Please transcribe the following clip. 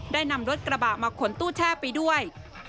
ได้นำรถกระบะมาขนตู้แช่ไปด้วย